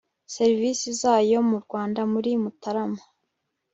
serivisi zayo mu Rwanda muri Mutarama